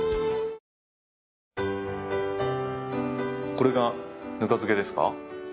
これがぬか漬けですか？